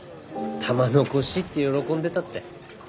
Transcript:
玉の輿って喜んでたって。